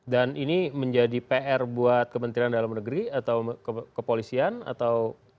dan ini menjadi pr buat kementerian dalam negeri atau kepolisian atau